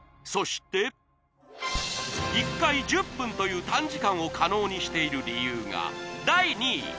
そして１回１０分という短時間を可能にしている理由が第２位！